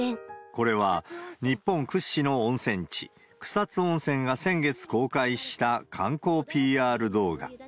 これは、日本屈指の温泉地、草津温泉が先月公開した観光ＰＲ動画。